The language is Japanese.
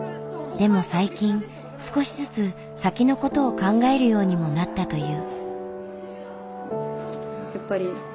でも最近少しずつ先の事を考えるようにもなったという。